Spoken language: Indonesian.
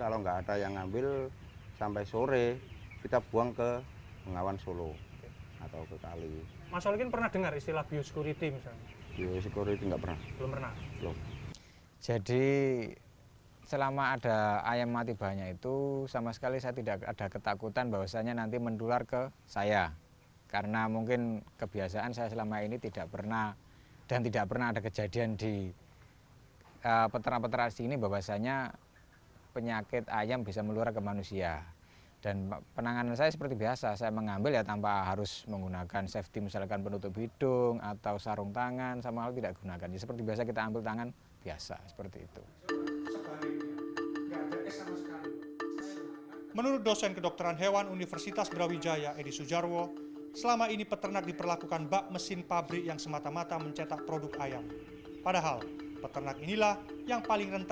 ayamnya tidak tercemar oleh penyakit